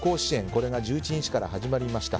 これが１１日から始まりました。